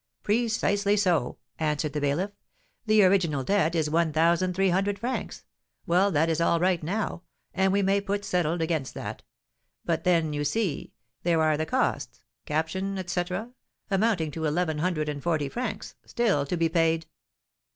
"Precisely so!" answered the bailiff; "the original debt is one thousand three hundred francs; well, that is all right now, and we may put 'settled' against that: but then, you see, there are the costs, caption, etc., amounting to eleven hundred and forty francs, still to be paid."